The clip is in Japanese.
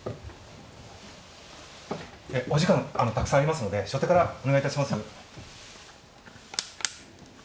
お時間たくさんありますので初手からお願いいたします。